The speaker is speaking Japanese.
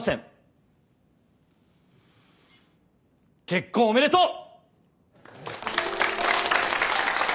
結婚おめでとう！